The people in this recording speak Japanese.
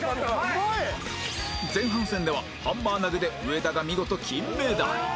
前半戦ではハンマー投げで上田が見事金メダル